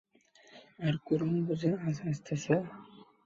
আর কুড়ুল বুঝি আজ আসছে?